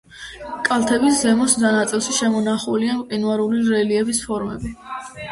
კალთების ზემო ნაწილში შემონახულია მყინვარული რელიეფის ფორმები.